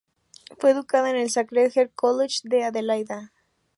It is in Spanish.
Fue educada en el Sacred Heart College de Adelaida.